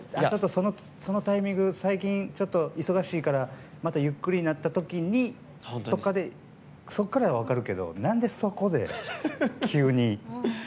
そのタイミング、最近忙しいからまたゆっくりになった時とかそこからは分かるけどなんで、そこで急に。